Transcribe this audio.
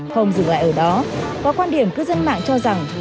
không dừng lại ở đó có quan điểm cư dân mạng cho rằng